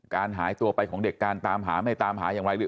หายตัวไปของเด็กการตามหาไม่ตามหาอย่างไรหรือ